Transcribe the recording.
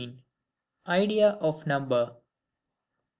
IDEA OF NUMBER.